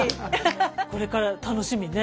これから楽しみね。